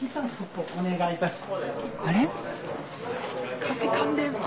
あれ？